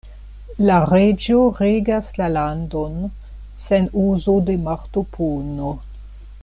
La reĝo regas la landon sen uzo de mortopuno.